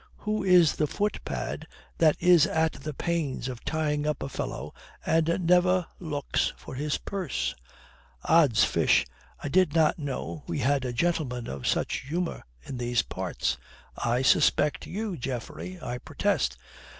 Who is the footpad that is at the pains of tying up a fellow and never looks for his purse? Odds fish, I did not know we had a gentleman of such humour in these parts. I suspect you, Geoffrey, I protest.